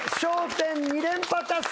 １０２連覇達成。